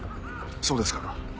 そうですか。